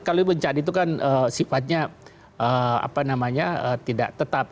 kalau bencana itu kan sifatnya apa namanya tidak tetap